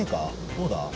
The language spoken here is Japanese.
どうだ？